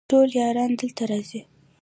ټول یاران دلته راځي